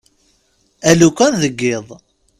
Alukan deg yiḍ.